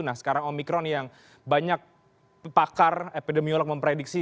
nah sekarang omikron yang banyak pakar epidemiolog memprediksi